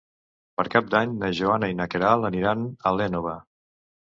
Per Cap d'Any na Joana i na Queralt aniran a l'Énova.